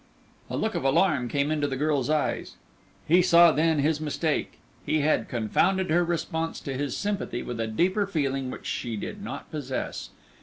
A look of alarm came into the girl's eyes; he saw then his mistake. He had confounded her response to his sympathy with a deeper feeling which she did not possess.